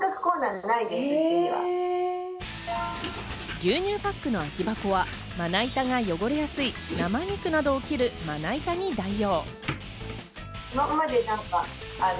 牛乳パックの空き箱は、まな板が汚れやすい生肉などを切るまな板に代用。